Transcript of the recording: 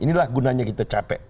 inilah gunanya kita capek